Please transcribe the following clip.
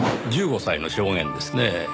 １５歳の証言ですねぇ。